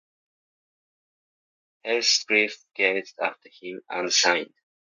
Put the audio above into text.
Heathcliff gazed after him, and sighed.